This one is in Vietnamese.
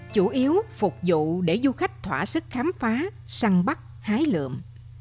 chủ yếu phục vụ để du khách thỏa sức khám phá săn bắt hái lượm